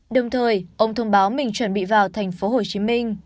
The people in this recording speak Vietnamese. đồng thời ông thông báo mình chuẩn bị vào thành phố hồ chí minh